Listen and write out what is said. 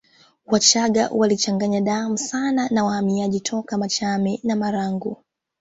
Wachaga walichanganya damu sana na wahamiaji toka Machame na Marangu